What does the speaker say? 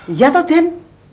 iya toh den